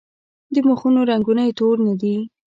د مخونو رنګونه یې تور نه دي.